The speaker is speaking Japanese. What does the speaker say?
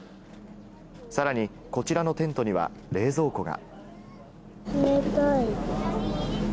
さらに、こちらのテントには冷蔵庫が。